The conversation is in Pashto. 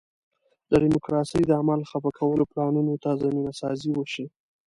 د ډیموکراسۍ د عمل خفه کولو پلانونو ته زمینه سازي وشي.